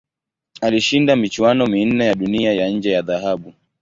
Alishinda michuano minne ya Dunia ya nje ya dhahabu.